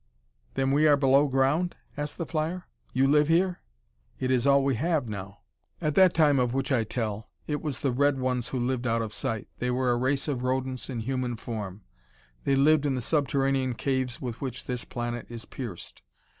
"Then we are below ground?" asked the flyer. "You live here?" "It is all we have now. At that time of which I tell, it was the red ones who lived out of sight; they were a race of rodents in human form. They lived in the subterranean caves with which this planet is pierced.